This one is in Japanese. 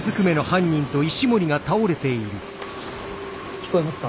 聞こえますか？